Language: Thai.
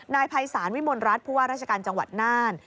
นายไภสารวิมลรัตน์ภูว่ารัชกาลจังหวัดน่าน